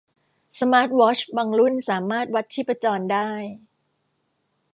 สมาร์ทวอชบางรุ่นสามารถวัดชีพจรได้